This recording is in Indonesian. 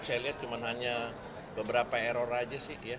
saya lihat cuma hanya beberapa error aja sih ya